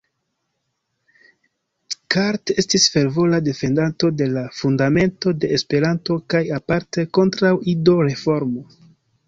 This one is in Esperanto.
Cart estis fervora defendanto de la Fundamento de Esperanto kaj aparte kontraŭ Ido-reformo.